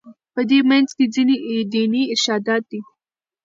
په دې منځ کې ځینې دیني ارشادات دي.